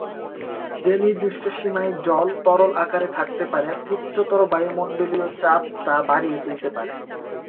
যে নির্দিষ্ট সীমায় জল তরল আকারে থাকতে পারে, উচ্চতর বায়ুমণ্ডলীয় চাপ তা বাড়িয়ে তুলতে পারে।